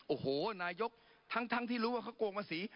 โอ้โหนายกทั้งที่รู้ว่าเขาโกงภาษี